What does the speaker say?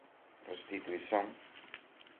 restituição